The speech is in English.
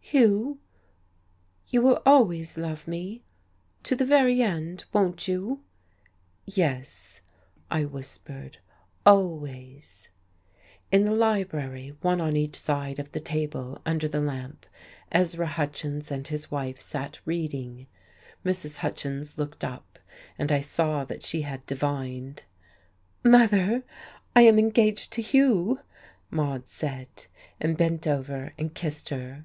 "Hugh, you will always love me to the very end, won't you?" "Yes," I whispered, "always." In the library, one on each side of the table, under the lamp, Ezra Hutchins and his wife sat reading. Mrs. Hutchins looked up, and I saw that she had divined. "Mother, I am engaged to Hugh," Maude said, and bent over and kissed her.